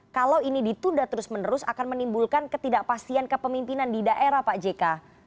kalau ini ditunda terus menerus akan menimbulkan ketidakpastian kepemimpinan di daerah pak jk